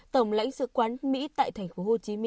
tổng lãnh sự quán mỹ tại tp hcm